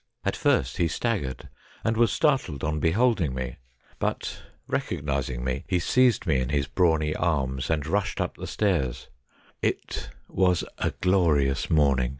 At first he staggered, and was startled on beholding me, but, recognising me, he seized me in his brawny arms, and rushed up the steps. It was a glorious morning.